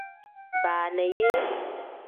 Baana yee.